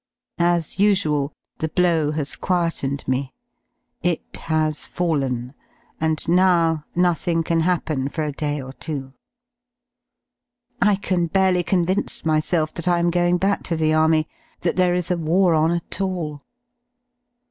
As usual, the blow has quietened me. It has fallen, and now nothing can happen for a day or two. I can barely convince myself that I am going back to the Army — that there is a war on at all.